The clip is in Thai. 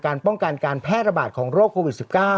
ป้องกันการแพร่ระบาดของโรคโควิด๑๙